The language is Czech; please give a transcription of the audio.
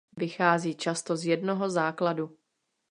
Vychází často z jednoho základu.